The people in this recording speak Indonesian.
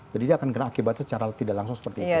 jadi akan kena akibatnya secara tidak langsung seperti itu